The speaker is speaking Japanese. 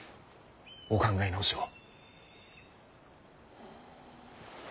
お考え直しを。